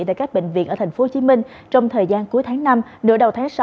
tại các bệnh viện ở tp hcm trong thời gian cuối tháng năm nửa đầu tháng sáu